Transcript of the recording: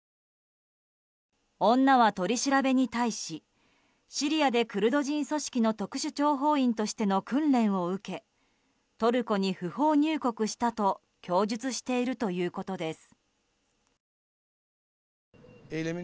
女は取り調べに対しシリアでクルド人組織の特殊諜報員としての訓練を受けトルコに不法入国したと供述しているということです。